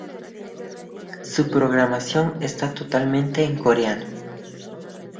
Su programación está totalmente en coreano.